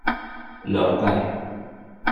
Leur père.